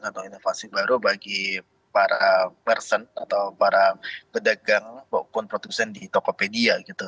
satu inovasi baru bagi para person atau para pedagang walaupun produsen di tokopedia gitu